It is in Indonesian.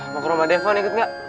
mau ke rumah depon ikut gak